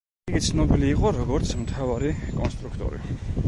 იგი ცნობილი იყო როგორც „მთავარი კონსტრუქტორი“.